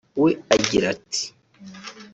we agira ati